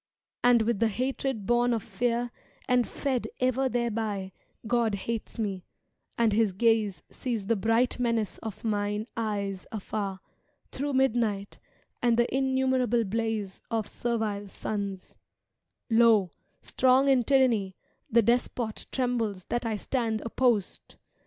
And with the hatred bom of fear and fed Ever thereby God hates me, and His ga?e Sees the bright menace of mine eyes afar. Through midnight, and the innumerable blaze Of servile suns: Lo, strong in tyranny. The despot trembles that I stand opposed!